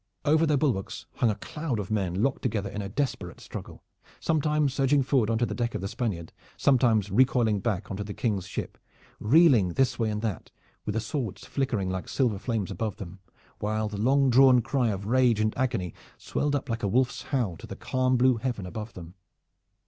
Over their bulwarks hung a cloud of men locked together in a desperate struggle, sometimes surging forward on to the deck of the Spaniard, sometimes recoiling back on to the King's ship, reeling this way and that, with the swords flickering like silver flames above them, while the long drawn cry of rage and agony swelled up like a wolf's howl to the calm blue heaven above them.